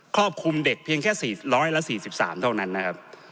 รอบคลุมเด็กเพียงแค่๔๔๓เท่านั้นนะครับ